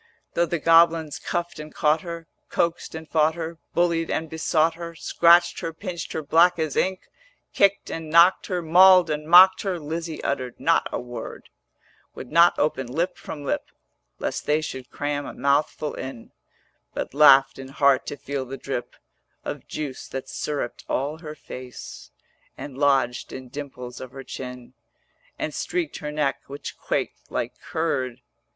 Though the goblins cuffed and caught her, Coaxed and fought her, Bullied and besought her, Scratched her, pinched her black as ink, Kicked and knocked her, Mauled and mocked her, Lizzie uttered not a word; 430 Would not open lip from lip Lest they should cram a mouthful in: But laughed in heart to feel the drip Of juice that syrupped all her face, And lodged in dimples of her chin, And streaked her neck which quaked like curd.